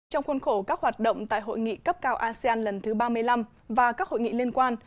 trong khuôn khổ các hoạt động tại hội nghị cấp cao asean lần thứ ba mươi năm và các hội nghị liên quan